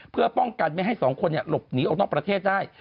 เพื่อป้องกันไม่ให้สองคนหลบหนีออกนอกประเทศได้